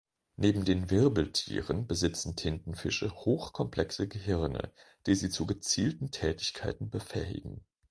Neben den Wirbeltieren besitzen Tintenfische hochkomplexe Gehirne, die sie zu gezielten Tätigkeiten befähigen.